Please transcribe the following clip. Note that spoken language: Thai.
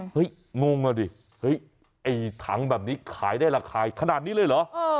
งงอ่ะดิเฮ้ยไอ้ถังแบบนี้ขายได้ราคาขนาดนี้เลยเหรอ